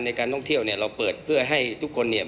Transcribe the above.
มีการที่จะพยายามติดศิลป์บ่นเจ้าพระงานนะครับ